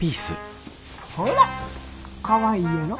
ほらかわいいやろ。